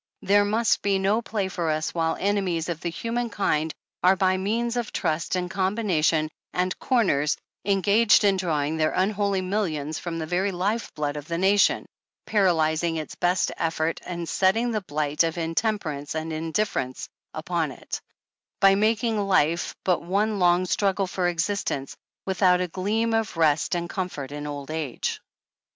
There must be no play for us while enemies of the human kind are, by means of trust and com bination and 'corners,' engaged in drawing their un holy millions from the very life blood of the nation, paralyzing its best efforts and setting the blight of intemperance and indifference upon it, by making life but one long struggle for existence, without a gleam of rest and comfort in old age.